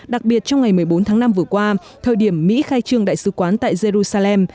đặc biệt trong ngày một mươi bốn tháng năm vừa qua thời điểm mỹ khai trương đại sứ quán tại jerusalem